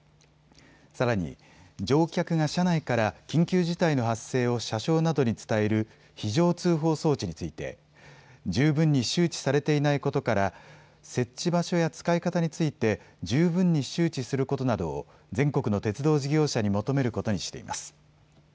さらに乗客が車内から緊急事態の発生を車掌などに伝える非常通報装置について十分に周知されていないことから設置場所や使い方について十分に周知することなどを全国の鉄道事業者に求めることにしています。